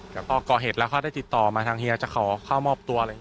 แต่พอก่อเหตุแล้วเขาได้ติดต่อมาทางเฮียจะขอเข้ามอบตัวเลย